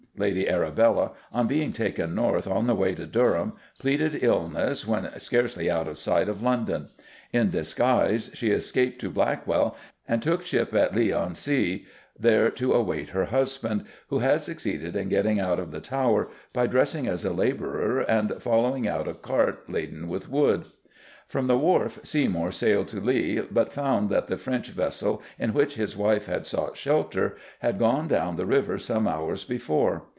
Lady Arabella, on being taken north on the way to Durham, pleaded illness when scarcely out of sight of London. In disguise she escaped to Blackwall and took ship at Leigh on Sea, there to await her husband, who had succeeded in getting out of the Tower by dressing as a labourer and following out a cart laden with wood. From the wharf, Seymour sailed to Leigh, but found that the French vessel in which his wife had sought shelter had gone down the river some hours before.